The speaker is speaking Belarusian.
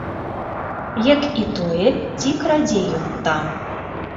Як і тое, ці крадзе ён там.